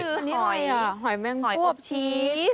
อันนี้ไงหอยแมลงพวบชีส